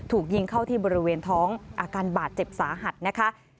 ถูกยิงเข้าที่บริเวณท้องอาการบาดเจ็บสาหัสนะคะ